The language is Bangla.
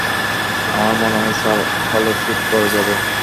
আমার মনে হয় স্যার, হলের সিট ভরে যাবে।